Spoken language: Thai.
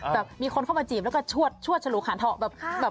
มีคนเข้ามาจีบแล้วก็ชวดฉลูขานเถาะแบบ